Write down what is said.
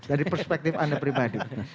dari perspektif anda pribadi